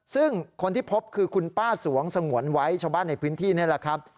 ซึ่งคนที่พบคือคุณป้าสวงสงวนไว้ชาวบ้านในพื้นที่นี่แหละครับ